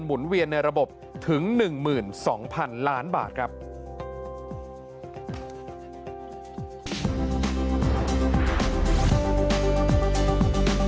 ลงกันหน้าเป็นวันกรีนไหมครับ